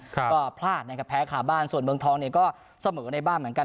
ก็พลาดนะครับแพ้ขาบ้านส่วนเมืองทองเนี่ยก็เสมอในบ้านเหมือนกัน